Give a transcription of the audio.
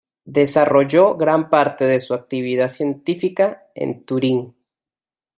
Desarrolló gran parte de su actividad científica en Turín.